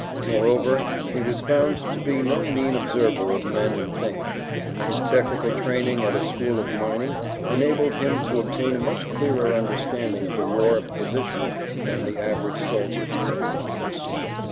Moreover, he was found to be no mean observer of men and things. His technical training at a school of [Pg vi]mining enabled him to obtain a much clearer understanding of the war of position than the average soldier possesses.